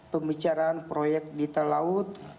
pembicaraan proyek di talaut